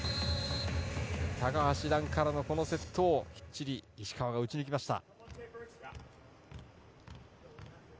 高橋藍からのセットをきっちり石川が打ち抜きました。